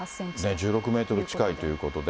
１６メートル近いということで。